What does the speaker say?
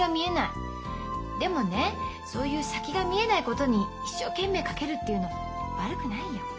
でもねそういう先が見えないことに一生懸命かけるっていうの悪くないよ。